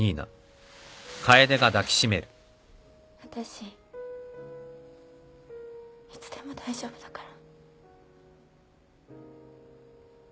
あたしいつでも大丈夫だから。